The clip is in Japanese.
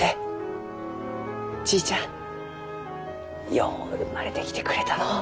よう生まれてきてくれたのう。